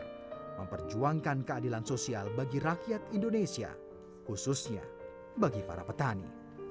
untuk memperjuangkan keadilan sosial bagi rakyat indonesia khususnya bagi para petani